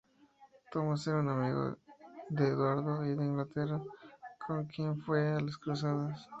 Thomas era amigo de Eduardo I de Inglaterra, con quien fue a las cruzadas.